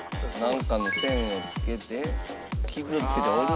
なんかの線をつけて傷をつけて折る。